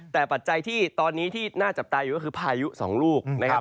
แต่ปัจจัยที่ตอนนี้ที่น่าจับตาอยู่ก็คือพายุ๒ลูกนะครับ